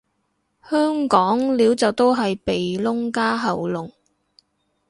香港撩就都係鼻窿加喉嚨